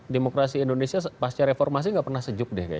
demokrasi indonesia pasca reformasi kita tidak pernah membangun demokrasi